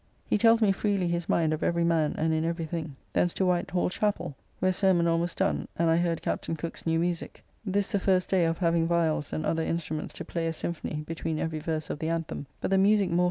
He tells me freely his mind of every man and in every thing. Thence to White Hall chapel, where sermon almost done, and I heard Captain Cooke's new musique. This the first day of having vialls and other instruments to play a symphony between every verse of the anthem; but the musique more full than it was the last Sunday, and very fine it is.